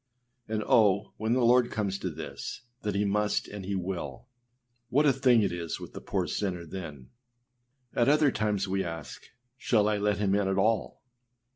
â And oh! when the Lord comes to this, that he must and he will, what a thing it is with the poor sinner then! At other times we ask, âShall I let him in at all?